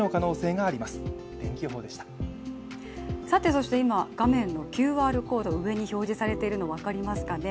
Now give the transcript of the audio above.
そして今、画面のＱＲコード、上に表示されているの分かりますかね。